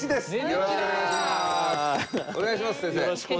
よろしくお願いします。